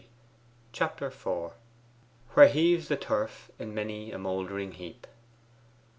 Chapter IV 'Where heaves the turf in many a mould'ring heap.